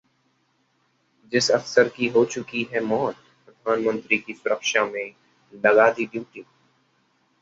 जिस अफसर की हो चुकी है मौत, प्रधानमंत्री की सुरक्षा में लगा दी ड्यूटी